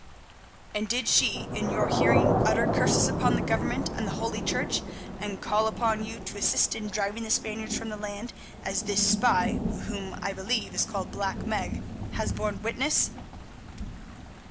"And did she in your hearing utter curses upon the Government and the Holy Church, and call upon you to assist in driving the Spaniards from the land, as this spy, whom I believe is called Black Meg, has borne witness?"